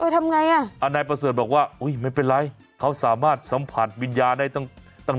ทำไงอ่ะนายประเสริฐบอกว่าอุ้ยไม่เป็นไรเขาสามารถสัมผัสวิญญาณได้ตั้ง